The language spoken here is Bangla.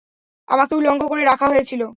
আমাকে উলঙ্গ করে রাখা হয়েছিল।